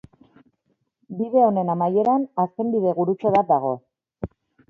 Bide honen amaieran, azken bidegurutze bat dago.